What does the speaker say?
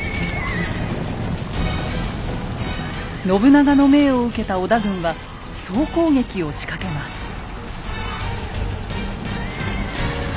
信長の命を受けた織田軍は総攻撃を仕掛けます。